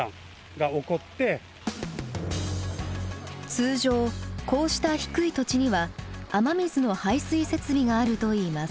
通常こうした低い土地には雨水の排水設備があるといいます。